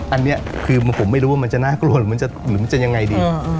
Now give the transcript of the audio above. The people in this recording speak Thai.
อันนี้คือผมไม่รู้ว่ามันจะน่ากลัวหรือมันจะยังไงดี